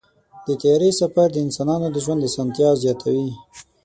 د طیارې سفر د انسانانو د ژوند اسانتیا زیاتوي.